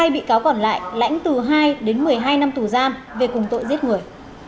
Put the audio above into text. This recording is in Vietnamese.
hai mươi bị cáo còn lại lãnh từ hai đến một mươi hai năm tù giam về cùng tội giết người